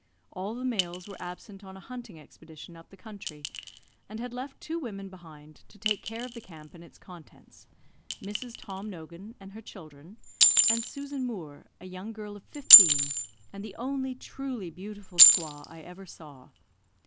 All the males were absent on a hunting expedition up the country, and had left two women behind to take care of the camp and its contents, Mrs. Tom Nogan and her children, and Susan Moore, a young girl of fifteen, and the only truly beautiful squaw I ever saw.